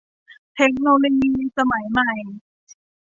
เทคโนโลยีสมัยใหม่